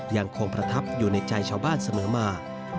ยังคงประทับอยู่ในใจชาวบ้านเสมอมา